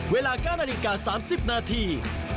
เวลาการริกา๓๐นาที